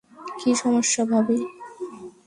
কী সমস্যা ভাবি?